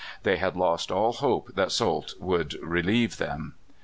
They had lost all hope that Soult could relieve them.